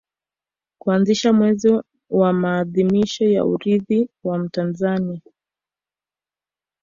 kuanzisha mwezi wa maadhimisho ya Urithi wa Mtanzania